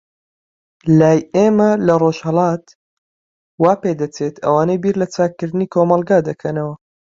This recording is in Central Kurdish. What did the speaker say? لای ئێمە لە ڕۆژهەلات، وا پێدەچێت ئەوانەی بیر لە چاکردنی کۆمەلگا دەکەنەوە.